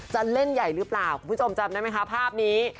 จะเล่นใหญ่หรือเปล่าคุณผู้ชมจำได้ไหมคะภาพนี้